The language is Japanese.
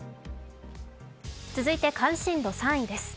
続いて、関心度３位です。